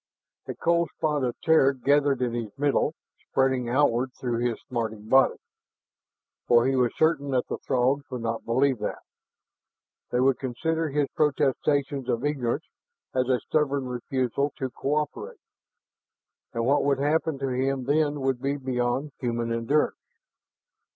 A cold spot of terror gathered in his middle, spreading outward through his smarting body. For he was certain that the Throgs would not believe that. They would consider his protestations of ignorance as a stubborn refusal to co operate. And what would happen to him then would be beyond human endurance.